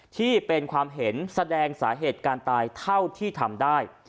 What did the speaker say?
ที่เป็นความเห็นแสดงสาเหตุการตายเท่าที่ทำได้